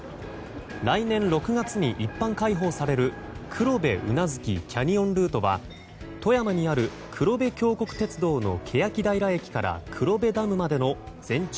来年６月に一般開放される黒部宇奈月キャニオンルートは富山にある黒部峡谷鉄道の欅平駅から黒部ダムまでの全長